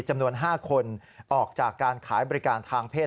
จำนวน๕คนออกจากการขายบริการทางเพศ